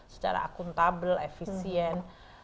secara akuntabel efisien